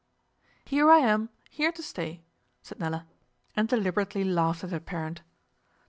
'Here I am, here to stay,' said Nella, and deliberately laughed at her parent.